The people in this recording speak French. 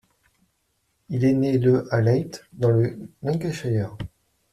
Il est né le à Leigh dans le Lancashire.